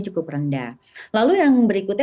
cukup rendah lalu yang berikutnya